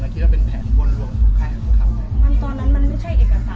เราคิดว่าเป็นแผนบนหลวงทุกค่ายของเขามันตอนนั้นมันไม่ใช่เอกสารนะคะ